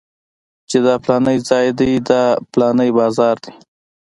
چې دا پلانکى ځاى دى دا پلانکى بازار دى.